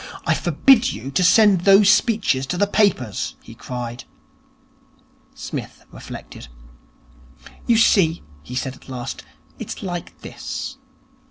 'I forbid you to send those speeches to the papers,' he cried. Psmith reflected. 'You see,' he said at last, 'it is like this.